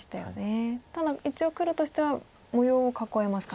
ただ一応黒としては模様を囲えますか。